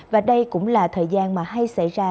và đây cũng là thời gian mà hay xảy ra